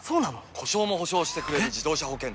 故障も補償してくれる自動車保険といえば？